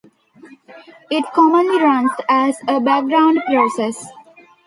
It commonly runs as a background process.